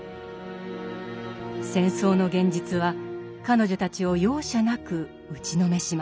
戦争の現実は彼女たちを容赦なく打ちのめしました。